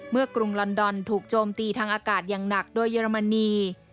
กรุงลอนดอนถูกโจมตีทางอากาศอย่างหนักโดยเยอรมนี